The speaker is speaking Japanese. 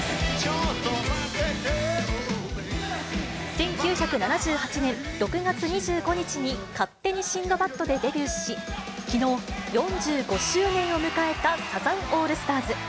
１９７８年６月２５日に勝手にシンドバッドでデビューし、きのう、４５周年を迎えたサザンオールスターズ。